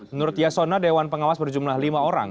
menurut yasona dewan pengawas berjumlah lima orang